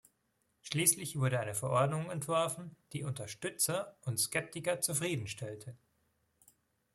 Schließlich wurde eine Verordnung entworfen, die Unterstützer und Skeptiker zufrieden stellte.